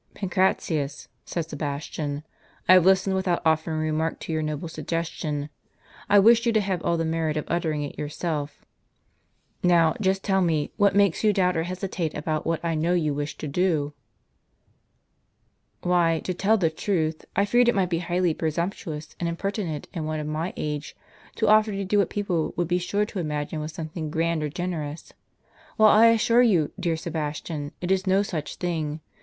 " "Pancratius," said Sebastian, "I have listened without offering a remark to your noble suggestion. I wished you to have all the merit of uttering it yourself. Now, just tell me, what makes you doubt or hesitate about what I know you wish to do?" "Why, to tell the truth, I feared it might be highly presumptuous and impertinent in one of my age to offer to do what people would be sure to imagine was something grand or generous ; while I assure you, dear Sebastian, it is no such thing.